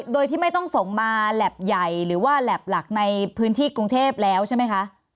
โดยที่ไม่ต้องส่งมาแล็บใหญ่หรือว่าแหลบหลักในพื้นที่กรุงเทพแล้วใช่ไหมคะ